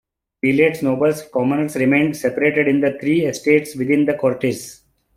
Prelates, nobles and commoners remained separated in the three estates within the Cortes.